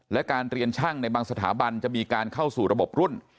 และการเรียนช่างในบางสถาบันจะมีการเข้าสู่ระบบรุ่น